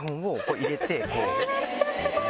めっちゃスゴい！